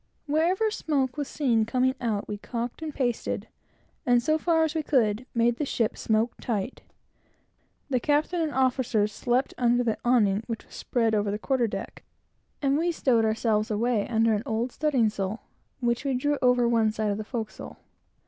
Wherever smoke was seen coming out, we calked and pasted, and, so far as we could, made the ship smoke tight. The captain and officers slept under the awning which was spread over the quarter deck; and we stowed ourselves away under an old studding sail, which we drew over one side of the forecastle.